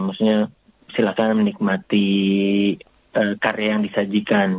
maksudnya silakan menikmati karya yang disajikan